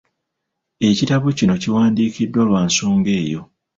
Ekitabo kino kiwandiikiddwa lwa nsonga eyo .